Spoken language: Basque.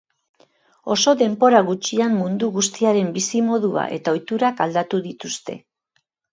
Oso denbora gutxian mundu guztiaren bizimodua eta ohiturak aldatu dituzte.